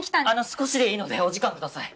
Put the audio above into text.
少しでいいのでお時間ください